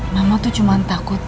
mama tuh cuma takut